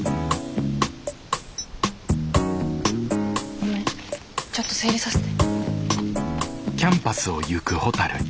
ごめんちょっと整理させて。